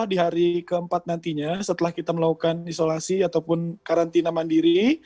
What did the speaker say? jadi kita harus mengikuti protokol yang terpenting mereka bisa umroh di setelah kita melakukan isolasi ataupun karantina mandiri